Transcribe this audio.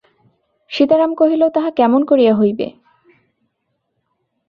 সীতারাম কহিল, তাহা কেমন করিয়া হইবে?